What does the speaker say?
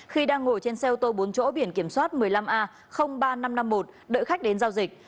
khi đang ngồi trên xe ô tô bốn chỗ biển kiểm soát một mươi năm a ba nghìn năm trăm năm mươi một đợi khách đến giao dịch